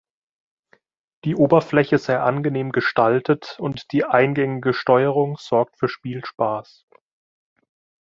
Die Oberfläche sei angenehm gestaltet und die eingängige Steuerung sorgt für Spielspaß.